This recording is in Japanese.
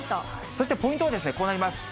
そしてポイントはこうなります。